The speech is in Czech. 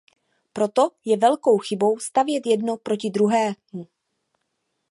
Proto je velkou chybou stavět jedno proti druhému.